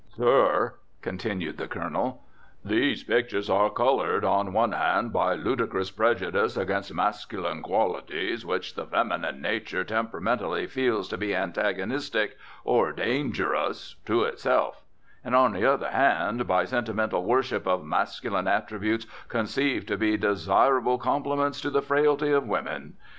"Sir," continued the Colonel, "these pictures are coloured, on one hand, by ludicrous prejudice against masculine qualities which the feminine nature temperamentally feels to be antagonistic, or dangerous, to itself; and, on the other hand, by sentimental worship of masculine attributes conceived to be desirable complements to the frailty of women.